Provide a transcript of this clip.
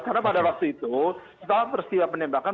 karena pada waktu itu kita harus tiba tiba menembakkan